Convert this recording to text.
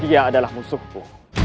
dia adalah musuhku